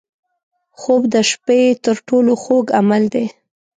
خوب د شپه تر ټولو خوږ عمل دی